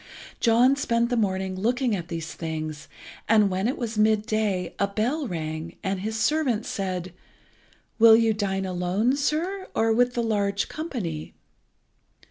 John spent the morning looking at these things, and when it was midday a bell rang, and his servant said "Will you dine alone, sir, or with the large company?"